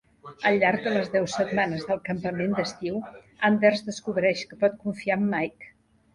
Al llarg de les deu setmanes del campament d'estiu, Anders descobreix que pot confiar amb Micke.